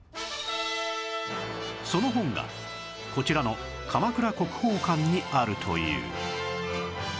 その本がこちらの鎌倉国宝館にあるという